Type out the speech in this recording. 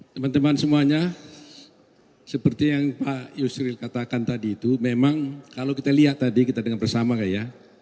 teman teman semuanya seperti yang pak yusril katakan tadi itu memang kalau kita lihat tadi kita dengar bersama kak ya